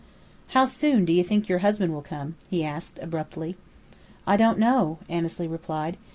"How soon do you think your husband will come?" he asked, abruptly. "I don't know," Annesley replied.